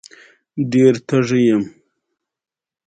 مالي پانګه د پانګوالۍ یو بل پړاو دی